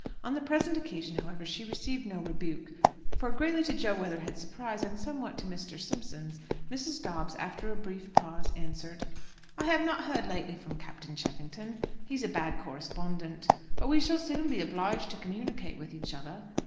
On the present occasion, however, she received no rebuke; for greatly to Jo Weatherhead's surprise, and somewhat to Mr. Simpson's, Mrs. Dobbs, after a brief pause, answered "I have not heard lately from Captain Cheffington. He is a bad correspondent. But we shall soon be obliged to communicate with each other.